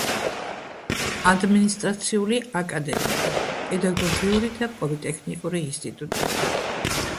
ადმინისტრაციული აკადემია, პედაგოგიური და პოლიტექნიკური ინსტიტუტები.